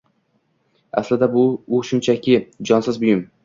Aslida, u shunchaki jonsiz buyum